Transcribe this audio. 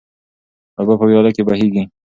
اوبه په ویاله کې بهیږي.